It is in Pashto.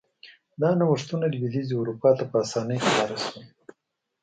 دا نوښتونه لوېدیځې اروپا ته په اسانۍ خپاره شول.